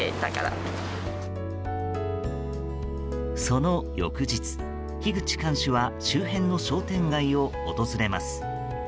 その翌日、樋口館主は周辺の商店街を訪れます。